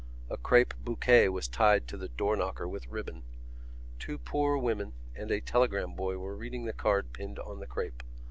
A crape bouquet was tied to the door knocker with ribbon. Two poor women and a telegram boy were reading the card pinned on the crape.